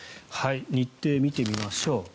日程、見てみましょう。